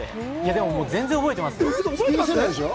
でも全然覚えてますよ。